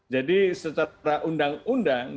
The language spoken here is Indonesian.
jadi secara undang undang